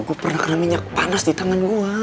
gue pernah kena minyak panas di tangan gue